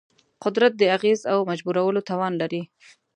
قدرت د اغېز او مجبورولو توان دی.